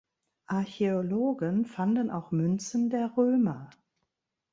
Archäologen fanden auch Münzen der Römer.